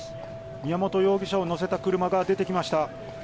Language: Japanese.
宮本容疑者を乗せた車が出てきました。